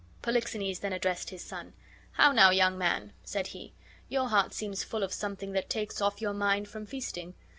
Polixenes then addressed his son. "How now, young man!" said he. "Your heart seems full of something that takes off your mind from feasting.